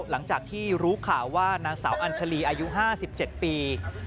หลังจากที่รู้ข่าวว่านางสาวอัญชาลีอายุ๕๗ปี